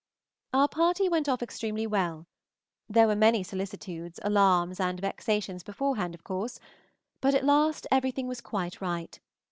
Our party went off extremely well. There were many solicitudes, alarms, and vexations beforehand, of course, but at last everything was quite right.